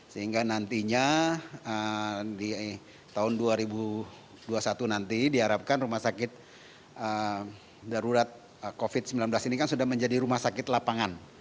sehingga nantinya di tahun dua ribu dua puluh satu nanti diharapkan rumah sakit darurat covid sembilan belas ini kan sudah menjadi rumah sakit lapangan